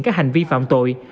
các hành vi phạm tội